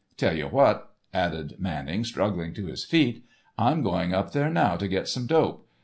Tell you what," added Manning, struggling to his feet, "I'm going up there now to get some dope.